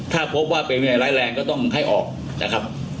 ถ้าพบว่าเป็นวินัยไล่แรงก็ต้องให้ออก